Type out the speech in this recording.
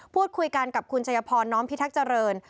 พูดคุยกันกับคุณชัยพรน้อมพิทักษ์เจริญ